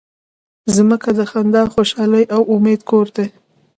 مځکه د خندا، خوشحالۍ او امید کور دی.